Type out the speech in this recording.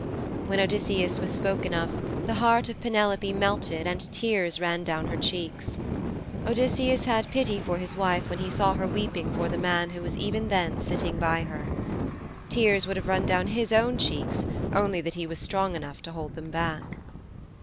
When Odysseus was spoken of, the heart of Penelope melted, and tears ran down her cheeks. Odysseus had pity for his wife when he saw her weeping for the man who was even then sitting by her. Tears would have run down his own cheeks only that he was strong enough to hold them back.